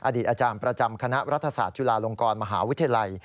อดีตอาจารย์ประจำคณะรัฐศาสตร์จุฬาลงกรมหาวิทยาลัย